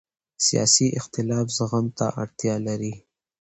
سیاسي اختلاف زغم ته اړتیا لري